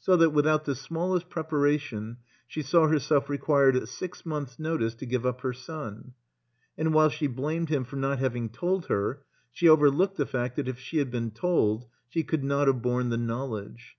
So that, without the smallest preparation, she saw herself required at six months* notice to give up her son. And while she blamed him for not having told her, she overlooked the fact that if she had been told she could not have borne the knowledge.